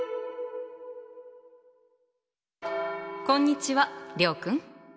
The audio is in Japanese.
こんにちは諒君。